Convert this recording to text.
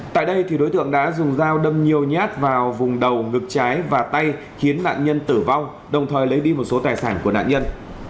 tại đây đối tượng đã dùng dao đâm nhiều nhát vào vùng đầu ngực trái và tay khiến nạn nhân tử vong đồng thời lấy đi một số tài sản của nạn nhân